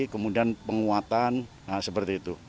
kemudian penguatan seperti itu